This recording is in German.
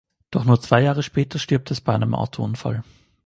Doch nur zwei Jahre später stirbt es bei einem Autounfall.